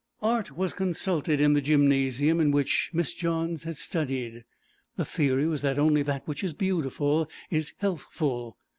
Art was consulted in the gymnasium in which Miss Johns had studied; the theory was that only that which is beautiful is healthful.